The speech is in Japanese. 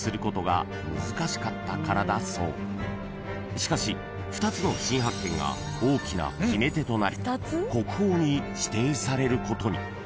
［しかし２つの新発見が大きな決め手となり国宝に指定されることに］